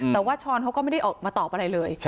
แต่ว่าช้อนเขาก็ไม่ได้ออกมาตอบอะไรเลย